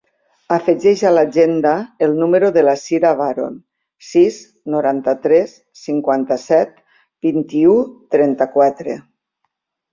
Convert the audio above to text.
Afegeix a l'agenda el número de la Sira Varon: sis, noranta-tres, cinquanta-set, vint-i-u, trenta-quatre.